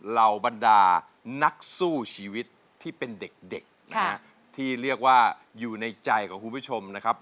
เหล่าบรรดานักสู้ชีวิตที่เป็นเด็กนะฮะที่เรียกว่าอยู่ในใจของคุณผู้ชมนะครับ